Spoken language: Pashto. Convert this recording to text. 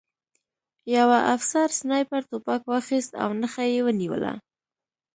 یوه افسر سنایپر توپک واخیست او نښه یې ونیوله